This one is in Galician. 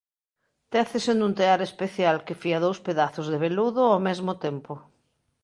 Técese nun tear especial que fía dous pedazos de veludo ao mesmo tempo.